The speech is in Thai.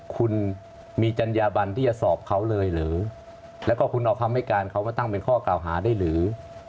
คุณมีจัญญาบันที่จะสอบเขาเลยหรือแล้วก็คุณเอาคำให้การเขามาตั้งเป็นข้อกล่าวหาได้หรือ